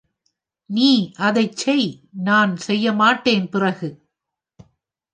நீ அதை செய்! - நான் செய்யமாட்டேன், பிறகு!